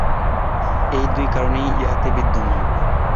ঐ দুই কারণই ইহাতে বিদ্যমান।